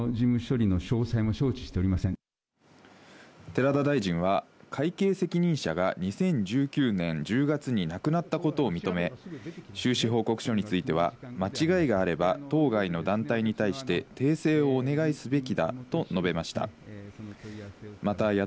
寺田大臣は、会計責任者が２０１９年１０月に亡くなったことを認め、収支報告書については間違いがあれば当該の団体に対して訂正をお願いすべきだと述べました。